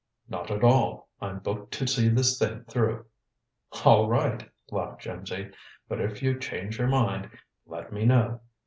"Not at all. I'm booked to see this thing through." "All right!" laughed Jimsy. "But if you change your mind, let me know."